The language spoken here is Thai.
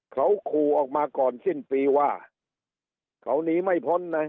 เขาขู่ออกมาก่อนสิ้นปีว่าเขาหนีไม่พ้นนะ